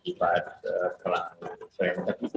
tinggal beberapa pemerintah mengatur